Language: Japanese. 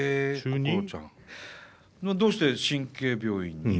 どうして神経病院に？